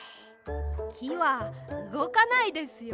きはうごかないですよ。